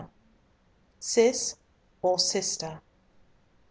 CIS OR SISTER.